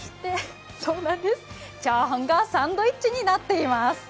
チャーハンがサンドイッチになっています。